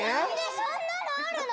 そんなのあるの？